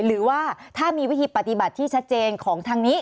หรือว่าถ้ามีวิธีปฏิบัติที่ชัดเจนของทางนี้